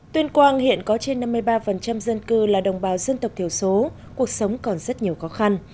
tuyên quang hiện có trên năm mươi ba dân cư là đồng bào dân tộc thiểu số cuộc sống còn rất nhiều khó khăn